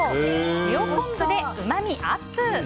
塩昆布でうまみアップ！